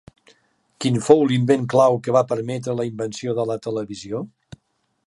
Quin fou l'invent clau que va permetre la invenció de la televisió?